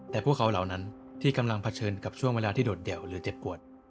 แต่พวกเขาเหล่านั้นที่กำลังเผชิญกับช่วงเวลาที่โดดเดี่ยวหรือเจ็บปวด